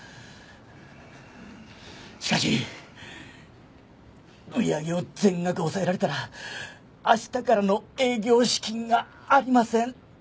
しかし売り上げを全額押さえられたら明日からの営業資金がありません。